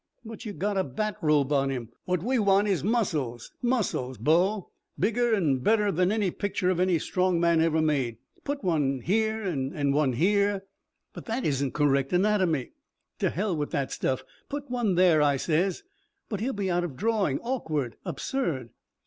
"But you gotta bat' robe on him. What we want is muscles. Muscles, bo. Bigger an' better than any picture of any strong man ever made. Put one here an' one there " "But that isn't correct anatomy." "To hell wit' that stuff. Put one there, I says." "But he'll be out of drawing, awkward, absurd."